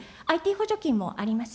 ＩＴ補助金もあります。